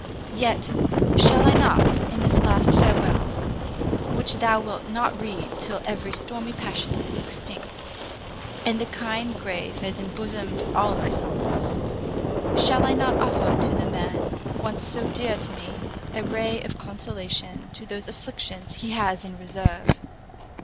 Yet, Oh! shall I not, in this last farewell, which thou wilt not read till every stormy passion is extinct, and the kind grave has embosomed all my sorrows, shall I not offer to the man, once so dear to me, a ray of consolation to those afflictions he has in reserve?